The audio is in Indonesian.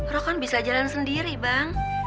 lo kan bisa jalan sendiri bang